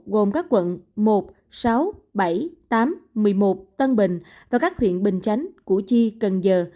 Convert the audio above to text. gồm các quận một sáu bảy tám một mươi một tân bình và các huyện bình chánh củ chi cần giờ